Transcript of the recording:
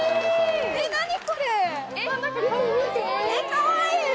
かわいい！